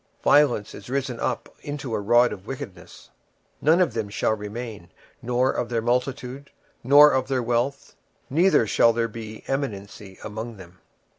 26:007:011 Violence is risen up into a rod of wickedness: none of them shall remain, nor of their multitude, nor of any of their's: neither shall there be wailing for them.